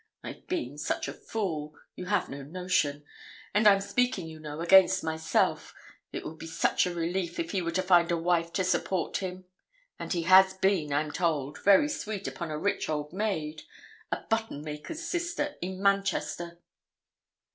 I've been such a fool, you have no notion; and I'm speaking, you know, against myself; it would be such a relief if he were to find a wife to support him; and he has been, I'm told, very sweet upon a rich old maid a button maker's sister, in Manchester.'